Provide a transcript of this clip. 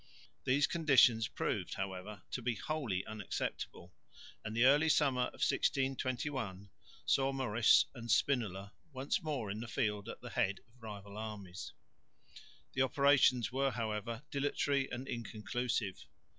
These conditions proved, however, to be wholly unacceptable, and the early summer of 1621 saw Maurice and Spinola once more in the field at the head of rival armies. The operations were, however, dilatory and inconclusive.